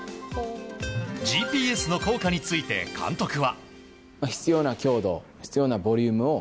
ＧＰＳの効果について監督は。